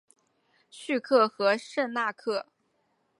叙克和圣纳克。